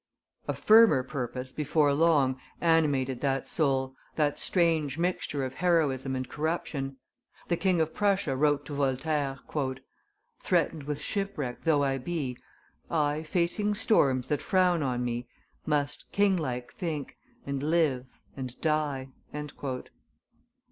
A firmer purpose, before long, animated that soul, that strange mixture of heroism and corruption. The King of Prussia wrote to Voltaire, "Threatened with shipwreck though I be, I, facing storms that frown on me, Must king like think, and live, and die."